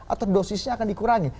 atau dosisnya akan dikurangi